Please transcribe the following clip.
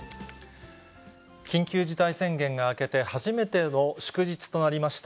緊急事態宣言が明けて初めての祝日となりました